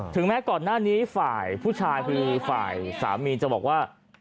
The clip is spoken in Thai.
แม้ก่อนหน้านี้ฝ่ายผู้ชายคือฝ่ายสามีจะบอกว่า